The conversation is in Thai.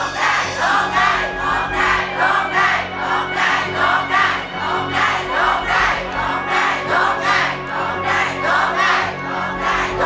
ลงได้ลงได้ลงได้